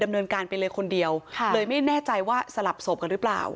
ดำเนินการไปเลยคนเดียวเลยไม่แน่ใจว่าสลับศพกันหรือเปล่า